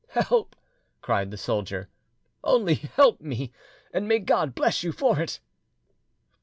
"Help!" cried the soldier, "only help me! and may God bless you for it!"